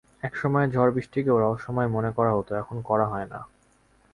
একসময় ঝড়-বৃষ্টিকেও রহস্যময় মনে করা হত, এখন করা হয় না।